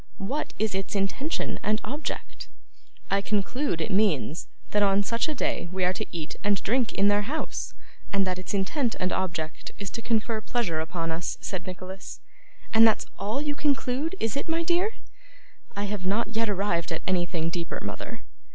What is its intention and object?' 'I conclude it means, that on such a day we are to eat and drink in their house, and that its intent and object is to confer pleasure upon us,' said Nicholas. 'And that's all you conclude it is, my dear?' 'I have not yet arrived at anything deeper, mother.